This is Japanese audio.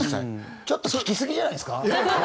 ちょっと聞きすぎじゃないですか？